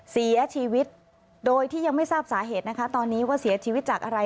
เสียชีวิตโดยที่ยังไม่ทราบสาเหตุนะคะตอนนี้ว่าเสียชีวิตจากอะไร